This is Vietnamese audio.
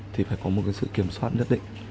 thì phải có một sự kiểm soát nhất định